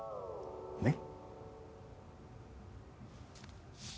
ねっ？